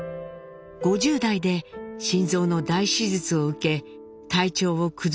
５０代で心臓の大手術を受け体調を崩しがちになります。